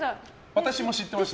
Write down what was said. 私も知ってました。